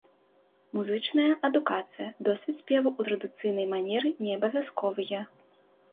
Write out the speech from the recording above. Музычная адукацыя, досвед спеву ў традыцыйнай манеры не абавязковыя.